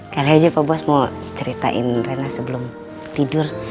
kali aja pak bos mau ceritain rena sebelum tidur